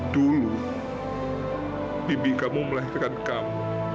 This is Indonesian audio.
dulu mimpi kamu melahirkan kamu